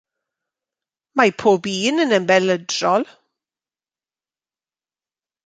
Mae pob un yn ymbelydrol.